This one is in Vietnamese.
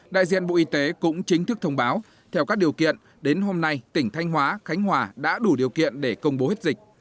đại diện bộ y tế cũng chính thức thông báo theo các điều kiện đến hôm nay tỉnh thanh hóa khánh hòa đã đủ điều kiện để công bố hết dịch